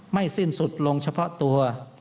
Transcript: สิ้นสุดลงเฉพาะตัว